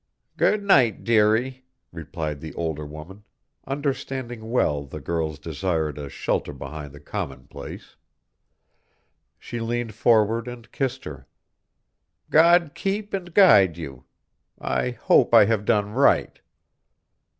"Good night, dearie," replied the older woman, understanding well the girl's desire to shelter behind the commonplace. She leaned forward and kissed her. "God keep and guide you. I hope I have done right."